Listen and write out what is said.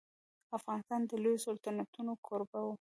افغانستان د لويو سلطنتونو کوربه و.